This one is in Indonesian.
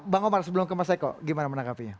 bang omar sebelum ke mas eko gimana menangkapinya